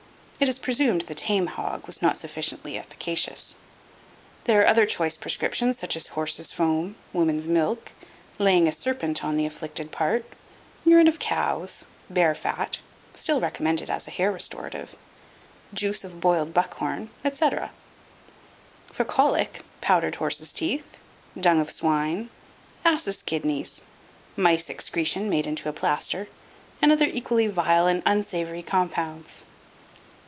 It is presumed the tame hog was not sufficiently efficacious. There were other choice prescriptions such as horse's foam, woman's milk, laying a serpent on the afflicted part, urine of cows, bear fat, still recommended as a hair restorative, juice of boiled buck horn, etc. For colic, powdered horse's teeth, dung of swine, asses' kidneys, mice excretion made into a plaster, and other equally vile and unsavory compounds.